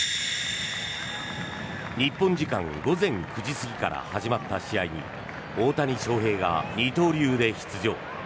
日本時間午前９時過ぎから始まった試合に大谷翔平が二刀流で出場。